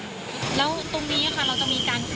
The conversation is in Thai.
แล้วตรงนี้ค่ะเราจะมีการเคลียร์พื้นที่หรือว่าเก็บท่ากลดตรงนี้ไป